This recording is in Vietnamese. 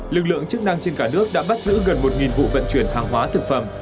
lực lượng chức năng trên cả nước đã bắt giữ gần một vụ vận chuyển hàng hóa thực phẩm